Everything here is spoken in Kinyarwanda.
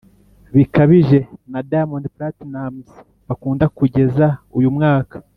Bikabije na diamond platinumz bakunda kugeza uyu mwaka